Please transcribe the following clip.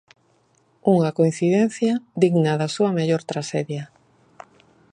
Unha coincidencia digna da súa mellor traxedia.